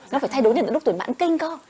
nó phải thay đổi đến lúc tuổi mãn kinh con